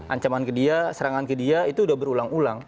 ancaman ke dia serangan ke dia itu udah berulang ulang